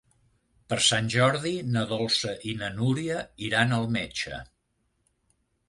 Per Sant Jordi na Dolça i na Núria iran al metge.